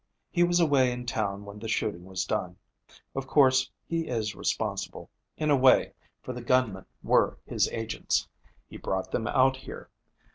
He was away in town when the shooting was done. Of course, he is responsible, in a way, for the gunmen were his agents. He brought them out here.